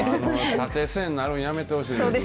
縦線になるの、やめてほしいです。